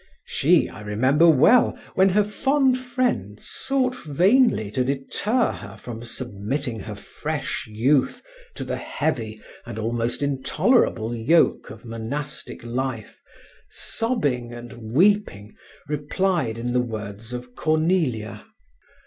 She, I remember well, when her fond friends sought vainly to deter her from submitting her fresh youth to the heavy and almost intolerable yoke of monastic life, sobbing and weeping replied in the words of Cornelia